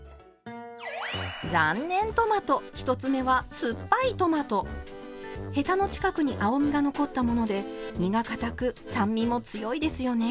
残念トマト１つ目はヘタの近くに青みが残ったもので身がかたく酸味も強いですよね。